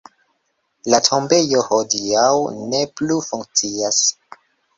La tombejo hodiaŭ ne plu funkcias.